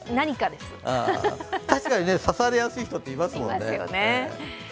確かに刺されやすい人っていますよね。